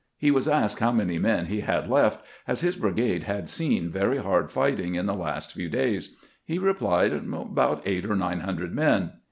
He was asked how many men he had left, as his brigade had seen very hard fighting in the last few days. He replied, " About eight or nine hundred men."